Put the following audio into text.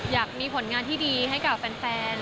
อยากมีผลงานที่ดีให้กับแฟนอย่างนี้ค่ะ